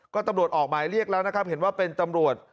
ก็ตำรวจออกหมายเรียกแล้วนะครับเห็นว่าเป็นตำรวจ